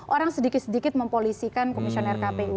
orang sedikit sedikit mempolisikan komisioner kpu